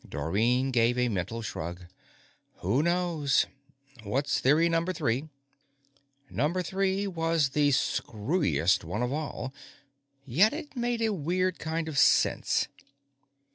_ Dorrine gave a mental shrug. Who knows? What's Theory Number Three? Number Three was the screwiest one of all, yet it made a weird kind of sense.